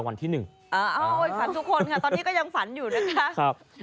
อ้าวฝันทุกคนค่ะตอนนี้ก็ยังฝันอยู่นะครับ